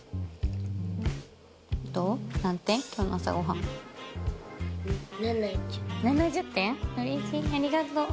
ありがとう。